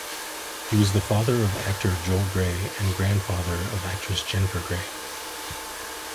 He was the father of actor Joel Grey and grandfather of actress Jennifer Grey.